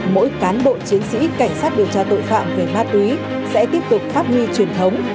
mỗi cán bộ chiến sĩ cảnh sát điều tra tội phạm về ma túy sẽ tiếp tục phát huy truyền thống